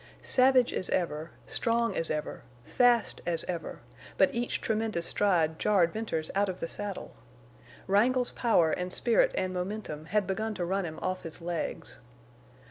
Savage as ever, strong as ever, fast as ever, but each tremendous stride jarred Venters out of the saddle! Wrangle's power and spirit and momentum had begun to run him off his legs.